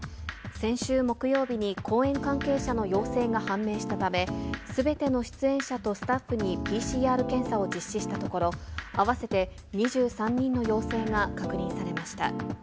先週木曜日に公演関係者の陽性が判明したため、すべての出演者とスタッフにＰＣＲ検査を実施したところ、合わせて２３人の陽性が確認されました。